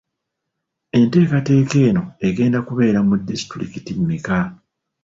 Entekateka eno egenda kubeera mu disitulikiti mmeka?